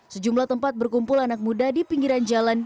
sejumlah tempat berkumpul anak muda di pinggiran jalan